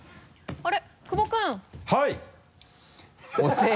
あれ？